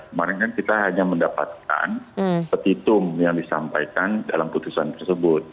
kemarin kan kita hanya mendapatkan petitum yang disampaikan dalam putusan tersebut